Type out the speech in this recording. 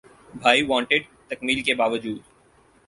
’بھائی وانٹڈ‘ تکمیل کے باوجود